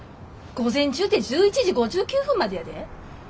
午前中て１１時５９分までやで。